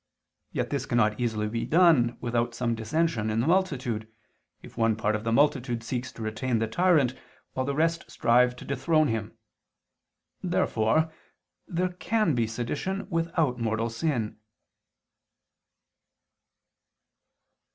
Yet this cannot easily be done without some dissension in the multitude, if one part of the multitude seeks to retain the tyrant, while the rest strive to dethrone him. Therefore there can be sedition without mortal sin.